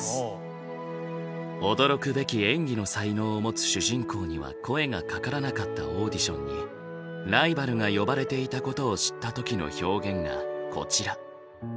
驚くべき演技の才能を持つ主人公には声がかからなかったオーディションにライバルが呼ばれていたことを知った時の表現がこちら。